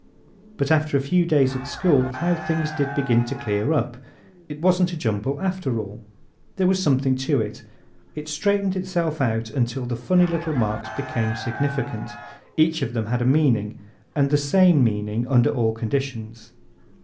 But after a few days at school how things did begin to clear up! It wasn't a jumble after all. There was something to it. It straightened itself out until the funny little marks became significant. Each of them had a meaning and the same meaning under all conditions.